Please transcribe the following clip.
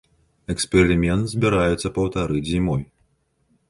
Эксперымент збіраюцца паўтарыць зімой.